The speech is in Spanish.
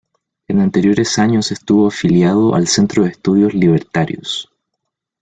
En anteriores años, estuvo afiliado al Centro de Estudios Libertarios.